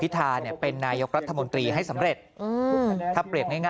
อย่างนั้นดูประกาศนั้น